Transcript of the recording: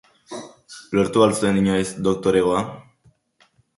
Lortu al zuen inoiz doktoregoa?